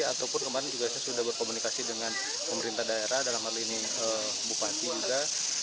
ataupun kemarin juga saya sudah berkomunikasi dengan pemerintah daerah dalam hal ini bupati juga